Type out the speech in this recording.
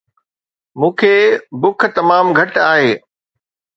مون کي بک تمام گهٽ آهي